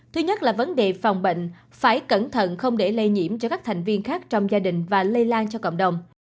thứ nhất là vấn đề phòng bệnh phải cẩn thận không để lây nhiễm cho các thành viên khác trong gia đình và lây lan cho cộng đồng